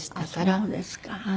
あっそうですか。